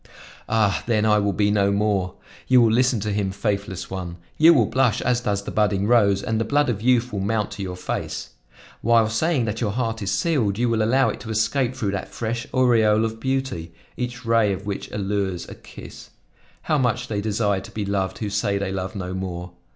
Ah! then I will be no more! You will listen to him, faithless one! You will blush as does the budding rose and the blood of youth will mount to your face. While saying that your heart is sealed, you will allow it to escape through that fresh aureole of beauty, each ray of which allures a kiss. How much they desire to be loved who say they love no more!